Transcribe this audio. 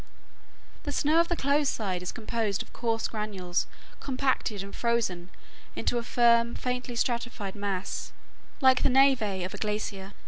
The snow of the closed side is composed of coarse granules compacted and frozen into a firm, faintly stratified mass, like the névé of a glacier.